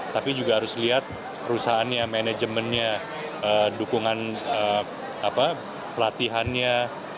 tapi juga harus lihat perusahaannya manajemennya dukungan pelatihannya